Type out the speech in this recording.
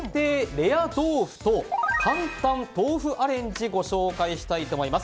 レア豆腐と簡単豆腐アレンジご紹介したいと思います。